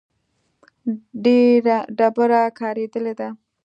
ډبره کارېدلې ده.